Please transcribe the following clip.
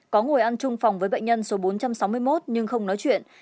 có ngồi ăn chung phòng với bệnh nhân số bốn trăm sáu mươi một nhưng không nói chuyện